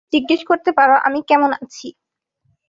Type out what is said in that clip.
তুমি জিজ্ঞেস করতে পারো আমি কেমন আছি।